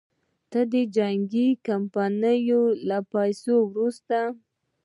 ده ته د جنګي کمپنیو له پیسو وروسته.